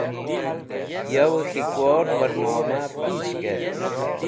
Yowey K̃hikwor Barnoma Pish Kert